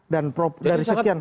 dan dari sekian